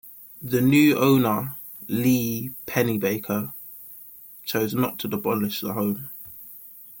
The new owner, Lee Pennebaker, chose not to demolish the home.